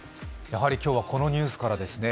やはり今日はこのニュースからですね。